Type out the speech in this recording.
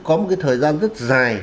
có một cái thời gian rất dài